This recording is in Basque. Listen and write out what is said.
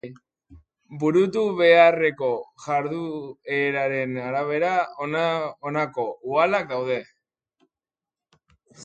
Burutu beharreko jardueraren arabera honako uhalak daude.